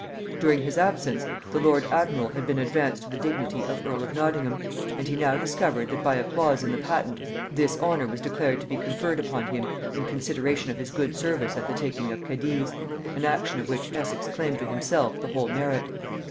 During his absence, the lord admiral had been advanced to the dignity of earl of Nottingham, and he now discovered that by a clause in the patent this honor was declared to be conferred upon him in consideration of his good service at the taking of Cadiz, an action of which Essex claimed to himself the whole merit.